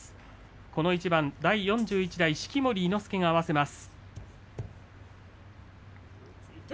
この一番、第４１代式守伊之助が合わせます。